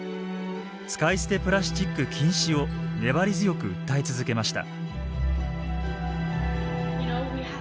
使い捨てプラスチック禁止を粘り強く訴え続けました。